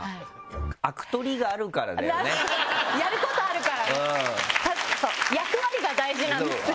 やることあるからね役割が大事なんですよ。